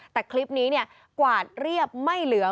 แต่คลิปนี้กวาดเรียบไม่เหลือ